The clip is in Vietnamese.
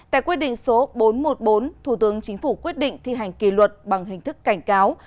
tại quyết định số bốn trăm một mươi bốn thủ tướng chính phủ quyết định thi hành kỳ luật bằng hình thức cảnh cáo